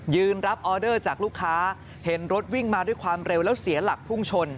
รับออเดอร์จากลูกค้าเห็นรถวิ่งมาด้วยความเร็วแล้วเสียหลักพุ่งชน